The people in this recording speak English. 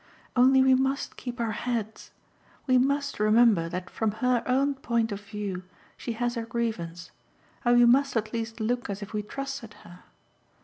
Only we must keep our heads. We must remember that from her own point of view she has her grievance, and we must at least look as if we trusted her.